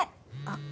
あっ。